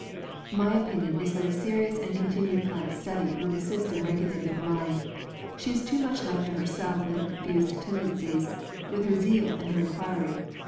"My opinion is that a serious and continued plan of study would assist in regulating her mind. She is too much left to herself with her confused tendencies, with her zeal and her inquiry.